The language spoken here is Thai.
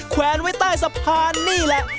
แวนไว้ใต้สะพานนี่แหละ